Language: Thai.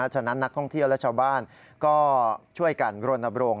ฉะนั้นนักท่องเที่ยวและชาวบ้านก็ช่วยกันรณบรงค